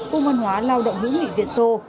công an hóa lao động hữu nghị việt sô